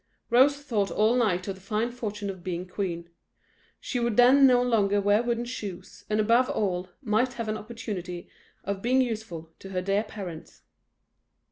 Rose thought all night of the fine fortune of being a queen; she would then no longer wear wooden shoes; and, above all, might have an opportunity of being useful to her dear parents.